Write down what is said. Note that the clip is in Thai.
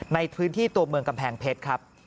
ในพื้นที่ตัวเมืองกำแพงเพชรครับ